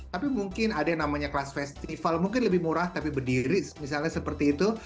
tapi mungkin ada yang namanya kelas festival mungkin lebih murah tapi berdiri misalnya seperti itu